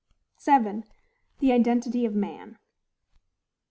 The Identity of Man.